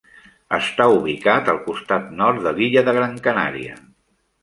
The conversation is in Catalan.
Està ubicat al costat nord de l'illa de Gran Canària.